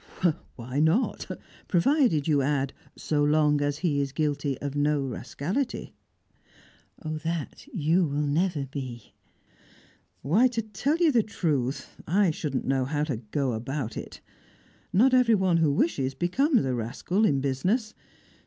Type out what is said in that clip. "Why not? Provided you add so long as he is guilty of no rascality." "That, you will never be." "Why, to tell you the truth, I shouldn't know how to go about it. Not everyone who wishes becomes a rascal in business.